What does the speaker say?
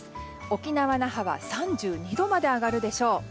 沖縄・那覇は３２度まで上がるでしょう。